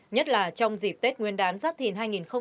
nhất là trong dịp tết nguyên đán giáp thìn hai nghìn hai mươi bốn